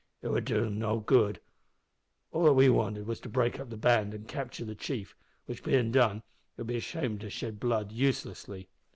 "It would do them no good. All that we wanted was to break up the band and captur' the chief, which bein' done, it would be a shame to shed blood uselessly."